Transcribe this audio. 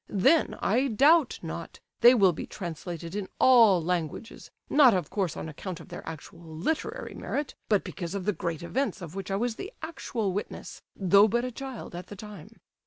Then, I doubt not, they will be translated into all languages, not of course on account of their actual literary merit, but because of the great events of which I was the actual witness, though but a child at the time.